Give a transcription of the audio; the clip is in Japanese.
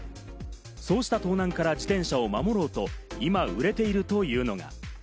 そうした盗難から自転車を守ろうと、今、売れているというのが。